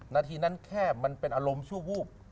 นาทีนั้นแค่มันเป็นอารมณ์ชั่ววูบ